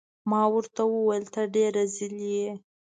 ما ورته وویل: ته ډیر رزیل يې.